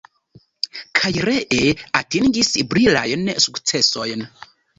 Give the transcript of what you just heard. Kaj ree atingis brilajn sukcesojn.